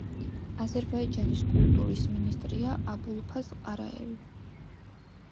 აზერბაიჯანის კულტურის მინისტრია აბულფაზ ყარაევი.